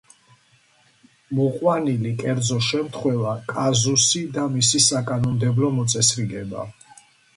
მოყვანილი კერძო შემთხვევა, კაზუსი და მისი საკანონმდებლო მოწესრიგება.